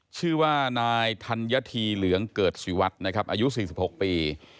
ชื่อว่านายธัญธีเหลืองเกิดศิวัตรนะครับอายุ๔๖ปี